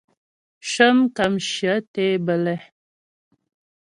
Shə́ mkàmshyə tě bə́lɛ.